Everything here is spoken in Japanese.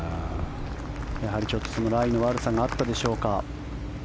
やはりライの悪さがあったでしょうか。